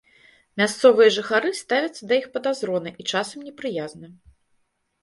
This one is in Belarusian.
Мясцовыя жыхары ставяцца да іх падазрона і часам непрыязна.